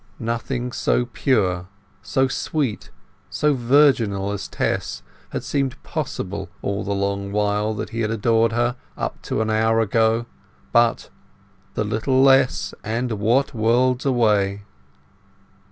Nothing so pure, so sweet, so virginal as Tess had seemed possible all the long while that he had adored her, up to an hour ago; but The little less, and what worlds away!